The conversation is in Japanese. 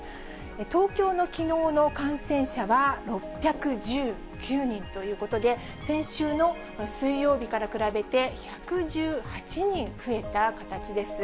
東京のきのうの感染者は６１９人ということで、先週の水曜日から比べて、１１８人増えた形です。